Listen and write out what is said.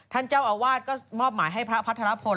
ท่านเจ้าอาวาสก็มอบหมายให้พระพัทรพล